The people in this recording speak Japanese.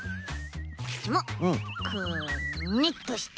こっちもくねっとして。